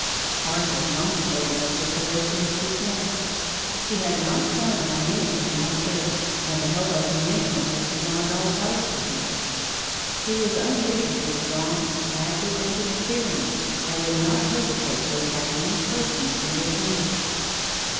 Carson contemplated the situation with dismay. He had not counted on anything like this, and the help of the Indian was beyond all price to him. He was unusually strong, active and experienced, and would not hesitate to attack any person single handed.